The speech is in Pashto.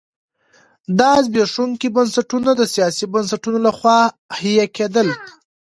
دا زبېښونکي بنسټونه د سیاسي بنسټونو لخوا حیه کېدل.